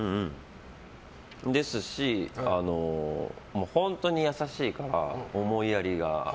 ですし、本当に優しいから思いやりが。